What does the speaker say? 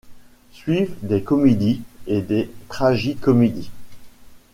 Suivent des comédies et des tragi-comédies.